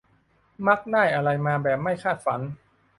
มักได้อะไรมาแบบไม่คาดฝัน